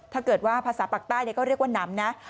ถ้าเกิดว่าภาษาปากใต้ก็เรียกว่าหนำนะ